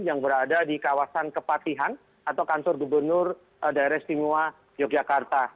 yang berada di kawasan kepatihan atau kantor gubernur daerah istimewa yogyakarta